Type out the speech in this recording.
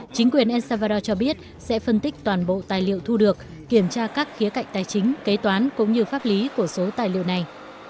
chính quyền el salvara cho biết sẽ phân tích toàn bộ tài liệu thu được kiểm tra các khía cạnh tài chính kế toán cũng như pháp lý của số tài liệu này